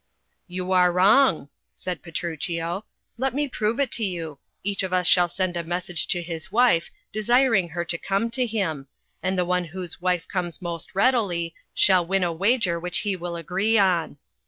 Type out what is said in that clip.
"You are wrong," said Petruchio; "let me prove it to you. Each of us shall send a message to his wife, desiring her to come to him, and the one whose wife comes most readily shall win a wager which he will agree on."